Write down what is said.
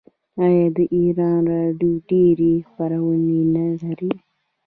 آیا د ایران راډیو ډیرې خپرونې نلري؟